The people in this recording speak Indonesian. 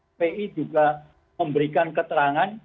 fpi juga memberikan keterangan